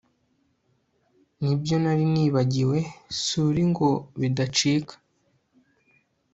ni byo, nari nibagiwe.suri ngo bidacika